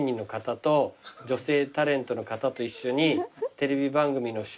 「女性タレントの方と一緒にテレビ番組の収録をしています」